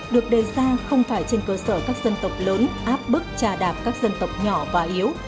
được đề ra không phải trên cơ sở các dân tộc lớn áp bức trà đạp các dân tộc nhỏ và yếu